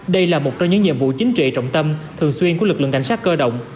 đây là một trong những nhiệm vụ chính trị trọng tâm thường xuyên của lực lượng cảnh sát cơ động